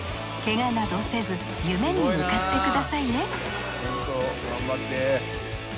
ケガなどせず夢に向かってくださいね